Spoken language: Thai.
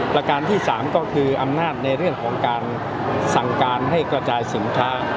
ประการที่๓ก็คืออำนาจในเรื่องของการสั่งการให้กระจายสินค้า